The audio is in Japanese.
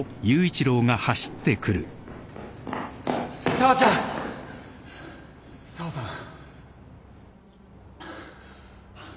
紗和ちゃん！紗和さん。